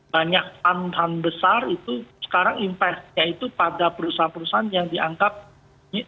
banyak tanpa besar itu sekarang invest yaitu pada perusahaan perusahaan yang dianggap melakukan kebaikan gitu ya